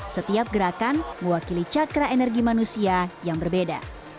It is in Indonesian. setiap gerakan mewakili cakra energi manusia yang berbeda